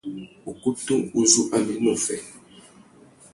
Ukutu uzu a mú ena uffê.